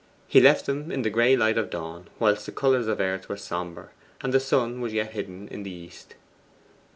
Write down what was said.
He left them in the gray light of dawn, whilst the colours of earth were sombre, and the sun was yet hidden in the east.